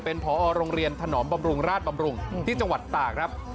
เป็นพอโรงเรียนถนอมบำรุงราชบำรุงที่จังหวัดตากครับ